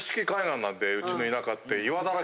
うちの田舎って。